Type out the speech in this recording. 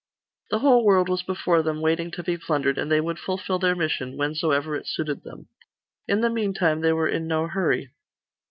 The whole world was before them waiting to be plundered, and they would fulfil their mission, whensoever it suited them. In the meantime they were in no hurry.